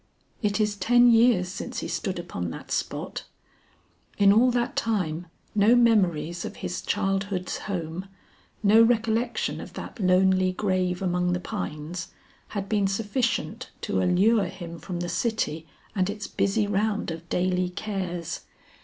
It is ten years since he stood upon that spot. In all that time no memories of his childhood's home, no recollection of that lonely grave among the pines, had been sufficient to allure him from the city and its busy round of daily cares.